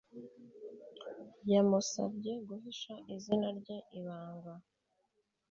yamusabye guhisha izina rye ibanga